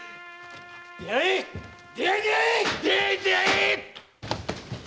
出会え出会え‼出会え出会えー！